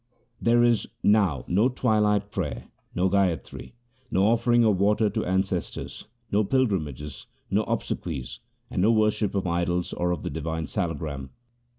There is now no twilight prayer, no gayatri, no offering of water to ancestors, no pilgrimages, no obsequies, and no worship of idols or of the divine salagram.